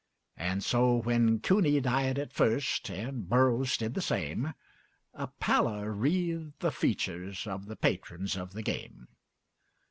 And so, when Cooney died at first, and Burrows did the same, A pallor wreathed the features of the patrons of the game.